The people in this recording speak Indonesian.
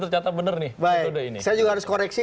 ternyata benar nih saya juga harus koreksi